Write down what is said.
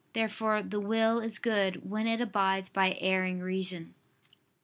Therefore the will is good when it abides by erring reason.